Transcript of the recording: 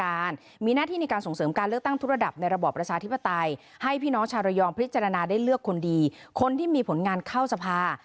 การมีหน้าที่ในการส่งเสริมการเลือกตั้งทุกระดับในระบอบประชาธิปไตยให้พี่น้องชาวระยองพิจารณาได้เลือกคนดีคนที่มีผลงานเข้าสภา